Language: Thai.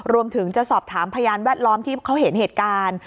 รวมถึงจะสอบถามพยานแวดล้อมที่เขาเห็นเหตุการณ์